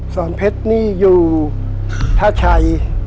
สอนเพชรนี่อยู่ท่าชัย